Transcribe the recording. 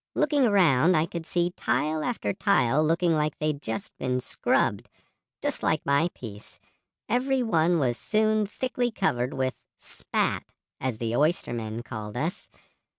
Looking around, I could see tile after tile looking like they had just been scrubbed. Just like my piece, every one was soon thickly covered with 'spat,' as the oystermen called us.